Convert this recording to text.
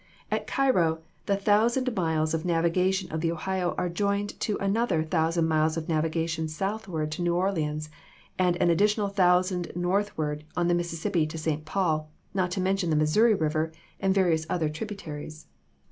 At Cairo, the thousand miles of navigation of the Ohio are joined to an other thousand miles of navigation southward to New Orleans, and an additional thousand northward on the Mississippi to St. Paul, not to mention the Missouri River and various other tributaries.